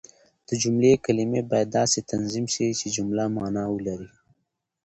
د جملې کلیمې باید داسي تنظیم سي، چي جمله مانا ولري.